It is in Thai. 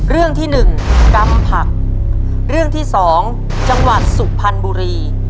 เรื่องที่หนึ่งกำผักเรื่องที่สองจังหวัดสุพรรณบุรี